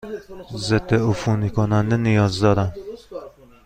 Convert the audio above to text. ضدعفونی کننده نیاز دارم.